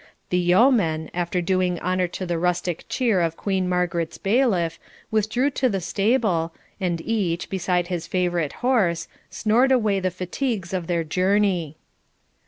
The yeomen, after doing honour to the rustic cheer of Queen Margaret's bailiff, withdrew to the stable, and each, beside his favourite horse, snored away the fatigues of their journey.